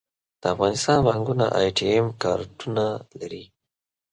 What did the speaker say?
د افغانستان بانکونه اې ټي ایم کارډونه لري